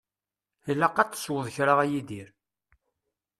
Ilaq ad tesweḍ kra a Yidir.